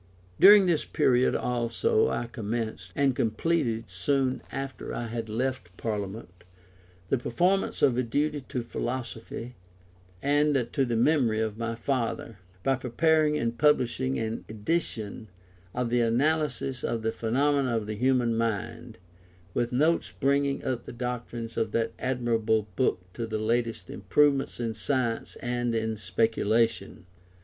During this period also I commenced (and completed soon after I had left Parliament) the performance of a duty to philosophy and to the memory of my father, by preparing and publishing an edition of the Analysis of the Phenomena of the Human Mind, with notes bringing up the doctrines of that admirable book to the latest improvements in science and in speculation.